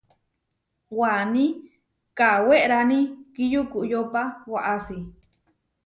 Waní kawérani kiyúkoyopa waʼási.